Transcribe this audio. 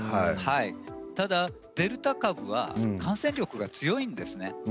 ただデルタ株は感染力が強いんですね。